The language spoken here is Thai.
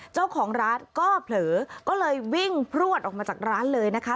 เจ้าของร้านก็เผลอก็เลยวิ่งพลวดออกมาจากร้านเลยนะคะ